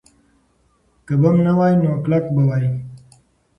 که بم نه وای، نو کلک به وای.